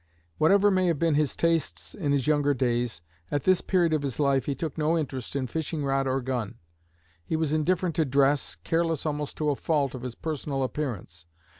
Whatever may have been his tastes in his younger days, at this period of his life he took no interest in fishing rod or gun. He was indifferent to dress, careless almost to a fault of his personal appearance.